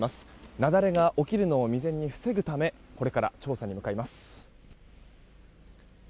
雪崩が起きるのを未然に防ぐためこれから調査に向かいます。